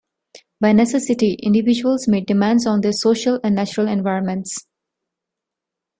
By necessity, individuals made demands on their social and natural environments.